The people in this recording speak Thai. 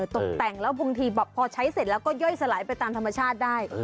ตกแต่งแล้วบางทีแบบพอใช้เสร็จแล้วก็ย่อยสลายไปตามธรรมชาติได้